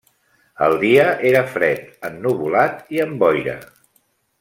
El dia era fred, ennuvolat i amb boira.